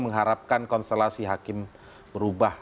mengharapkan konstelasi hakim berubah